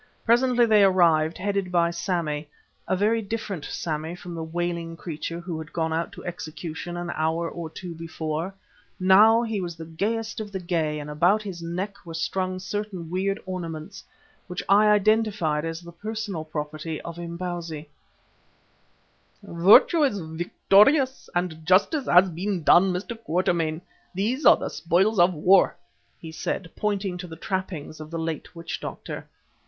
Presently they arrived, headed by Sammy, a very different Sammy from the wailing creature who had gone out to execution an hour or two before. Now he was the gayest of the gay, and about his neck were strung certain weird ornaments which I identified as the personal property of Imbozwi. "Virtue is victorious and justice has been done, Mr. Quatermain. These are the spoils of war," he said, pointing to the trappings of the late witch doctor.